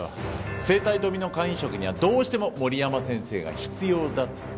生体ドミノ肝移植にはどうしても森山先生が必要だって。